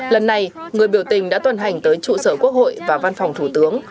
lần này người biểu tình đã tuần hành tới trụ sở quốc hội và văn phòng thủ tướng